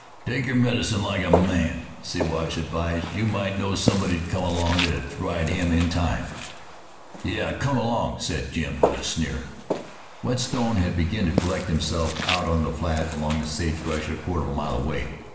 "Take your medicine like a man, Jim," Siwash advised. "You might know somebody'd come along that'd ride him, in time." "Yes, come along!" said Jim with a sneer. Whetstone had begun to collect himself out on the flat among the sagebrush a quarter of a mile away.